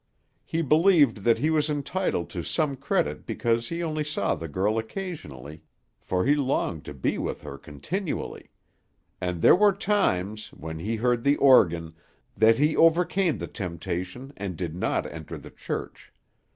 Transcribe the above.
He believed that he was entitled to some credit because he only saw the girl occasionally, for he longed to be with her continually; and there were times, when he heard the organ, that he overcame the temptation and did not enter the church.